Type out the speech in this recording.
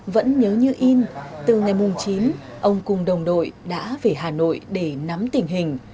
vẫn nhớ như in từ ngày mùng chín ông cùng đồng đội đã về hà nội để nắm tình hình